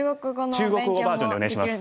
中国語バージョンでお願いします。